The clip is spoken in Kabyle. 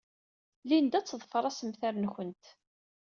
Linda ad teḍfer assemter-nwent.